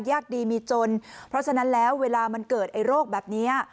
ยากดีมีจนเพราะฉะนั้นแล้วเวลามันเกิดไอ้โรคแบบนี้